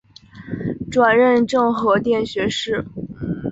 转任政和殿学士。